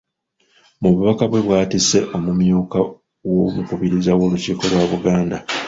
Mu bubaka bwe bw'atisse omumyuka w’Omukubiriza w’olukiiko lwa Buganda.